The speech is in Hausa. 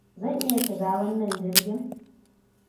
Zan iya shiga wannan jirgin?